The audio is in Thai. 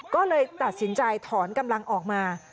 ก็เลยตัดสินใจถอนกำลังออกมา